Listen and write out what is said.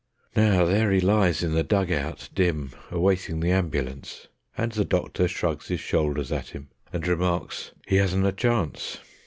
Now there he lies in the dug out dim, awaiting the ambulance, And the doctor shrugs his shoulders at him, and remarks, "He hasn't a chance."